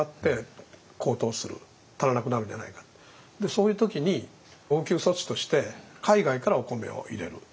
そういう時に応急措置として海外からお米を入れる。